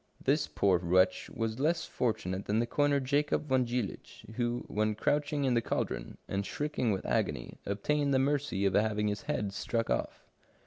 This poor wretch was less fortunate than the coiner Jacob von Jiilich, who, when crouching in the caldron, and shrieking with agony, obtained the mercy of having his head struck off".